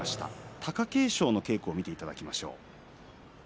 貴景勝の稽古を見ていただきます。